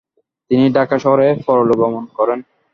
তিনি ঢাকা শহরে পরলোকগমন করেন।